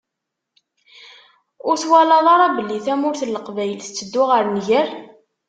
Ur twalaḍ ara belli tamurt n Leqbayel tetteddu ɣer nnger?